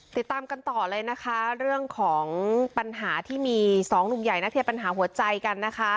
ติดตามกันต่อเลยนะคะเรื่องของปัญหาที่มีสองหนุ่มใหญ่นักเคลียร์ปัญหาหัวใจกันนะคะ